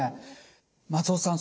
松尾さん